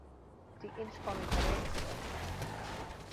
Die inspanning verenigt ons.